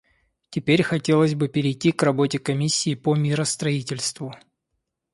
Теперь хотелось бы перейти к работе Комиссии по миростроительству.